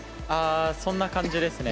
そんな感じですね。